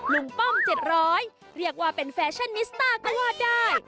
ป้อม๗๐๐เรียกว่าเป็นแฟชั่นนิสต้าก็ว่าได้